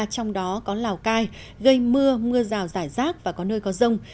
trong đó có lào cai gây mưa mưa rào rải rác và có nơi có rông